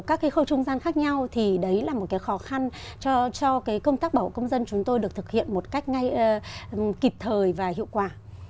các khâu trung gian khác nhau thì đấy là một khó khăn cho công tác bảo hộ công dân chúng tôi được thực hiện một cách kịp thời và hiệu quả